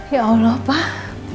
ya allah pak